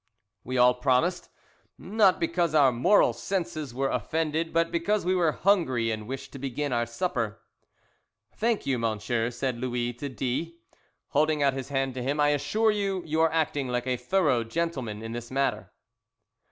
We all promised, not because our moral senses were offended, but because we were hungry and wished to begin our supper. "Thank you, monsieur," said Louis to D , holding out his hand to him. "I assure you you are acting like a thorough gentleman in this matter."